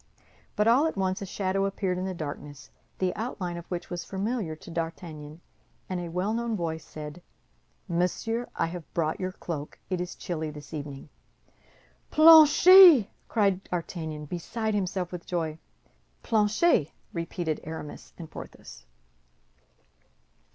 But all at once a shadow appeared in the darkness the outline of which was familiar to D'Artagnan, and a well known voice said, "Monsieur, I have brought your cloak; it is chilly this evening." "Planchet!" cried D'Artagnan, beside himself with joy. "Planchet!" repeated Aramis and Porthos.